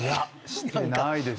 してないです。